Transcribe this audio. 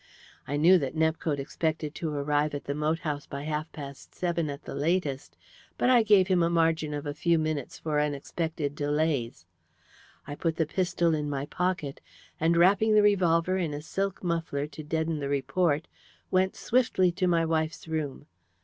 I knew that Nepcote expected to arrive at the moat house by half past seven at the latest, but I gave him a margin of a few minutes for unexpected delays. I put the pistol in my pocket, and wrapping the revolver in a silk muffler to deaden the report, went swiftly to my wife's room.